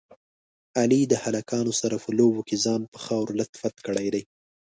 علي د هلکانو سره په لوبو کې ځان په خاورو لت پت کړی دی.